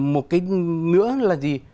một cái nữa là gì